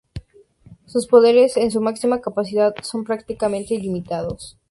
Sus poderes en su máxima capacidad son prácticamente ilimitados.